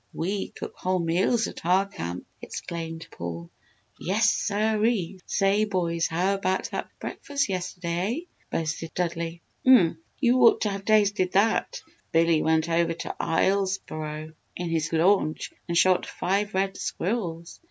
We cook whole meals at our camp!" exclaimed Paul. "Yes siree! Say, boys, how about that breakfast yesterday, eh?" boasted Dudley. "Umph! You ought to have tasted that! Billy went over to Islesboro in his launch and shot five red squirrels.